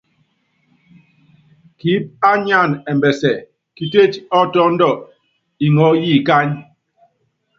Kiíp á nyáan ɛmbɛsɛ, kitét ɔ́ tɔ́ndɔ ŋɔɔ́ yi ŋány.